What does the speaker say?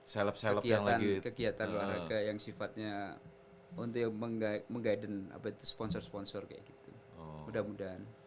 kegiatan kegiatan olahraga yang sifatnya untuk menggaiden apa itu sponsor sponsor kayak gitu mudah mudahan